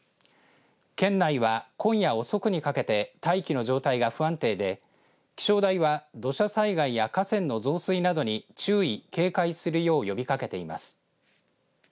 県内は、今夜遅くにかけて大気の状態が不安定で気象台は土砂災害や河川の増水などに注意、警戒するよう呼びかけています。